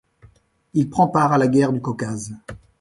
Il prend part à la Guerre du Caucase.